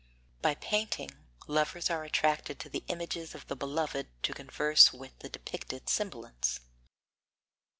By painting, lovers are attracted to the images of the beloved to converse with the depicted semblance.